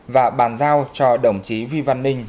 và bàn giao cho đồng chí vi văn ninh